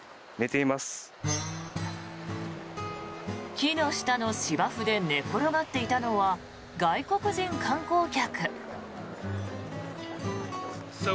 木の下の芝生で寝転がっていたのは外国人観光客。